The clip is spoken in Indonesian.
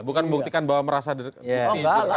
bukan membuktikan bahwa merasa dititukan disadar